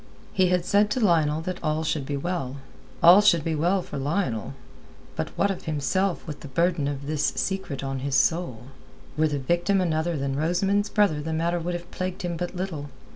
He had said to Lionel that all should be well. All should be well for Lionel. But what of himself with the burden of this secret on his soul? Were the victim another than Rosamund's brother the matter would have plagued him but little.